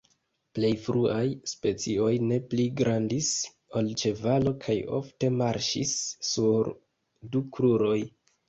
Plej fruaj specioj ne pli grandis ol ĉevalo kaj ofte marŝis sur du kruroj.